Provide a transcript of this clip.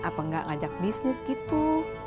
apa nggak ngajak bisnis gitu